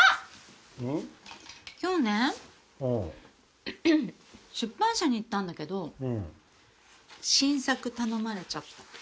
今日ね出版社に行ったんだけど新作頼まれちゃった。